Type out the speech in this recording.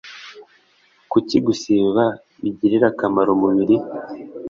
kuko gusiba bigirira akamaro umubiri